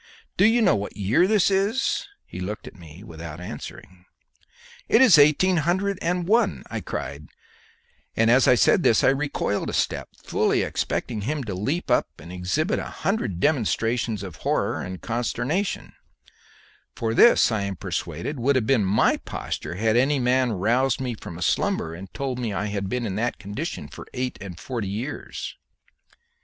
"Do you know what year this is?" He looked at me without answering. "It is eighteen hundred and one," I cried, and as I said this I recoiled a step, fully expecting him to leap up and exhibit a hundred demonstrations of horror and consternation; for this I am persuaded would have been my posture had any man roused me from a slumber and told me I had been in that condition for eight and forty years.